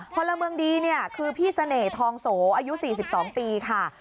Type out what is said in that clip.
พลเมืองดีเนี่ยคือพี่เสน่ห์ทองโสอายุ๔๒ปีค่ะ